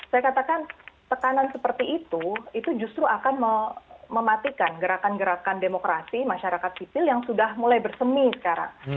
saya katakan tekanan seperti itu itu justru akan mematikan gerakan gerakan demokrasi masyarakat sipil yang sudah mulai bersemi sekarang